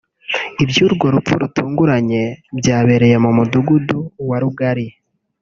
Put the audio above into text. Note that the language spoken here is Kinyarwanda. Iby’urwo rupfu rutunguranye byabereye mu mu mudugudu wa Rugali